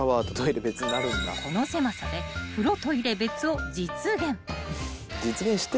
［この狭さで風呂トイレ別を実現］